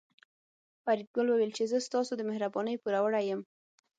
فریدګل وویل چې زه ستاسو د مهربانۍ پوروړی یم